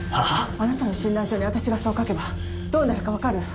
あなたの診断書に私がそう書けばどうなるか分かる？